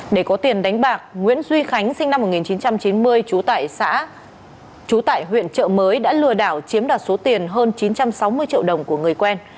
để có tiền đánh bạc nguyễn duy khánh sinh năm một nghìn chín trăm chín mươi chú tại huyện trợ mới đã lừa đảo chiếm đạt số tiền hơn chín trăm sáu mươi triệu đồng của người quen